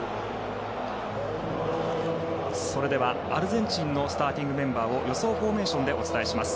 それでは、アルゼンチンのスターティングメンバーを予想フォーメーションでお伝えします。